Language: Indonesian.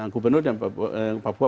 gubernur dan papua